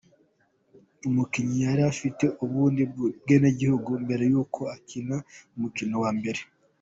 Umukinnyi yari afite ubundi bwenegihugu mbere yo gukina umukino wa mbere.